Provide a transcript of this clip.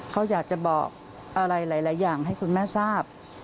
เขาอยากจะบอกอะไรหลายอย่างให้คุณแม่ทราบ